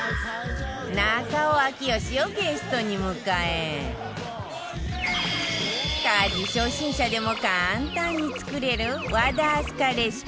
中尾明慶をゲストに迎え家事初心者でも簡単に作れる和田明日香レシピ